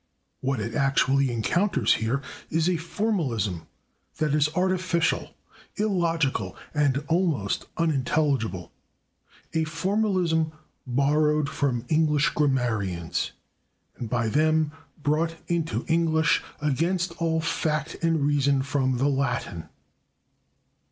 What it actually encounters here is a formalism that is artificial, illogical and almost unintelligible a formalism borrowed from English grammarians, and by them brought into English, against all fact and reason, from the Latin.